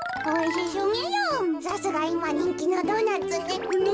さすがいまにんきのドーナツね。